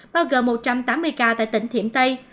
bao gồm một trăm tám mươi ca tại tỉnh thiểm tây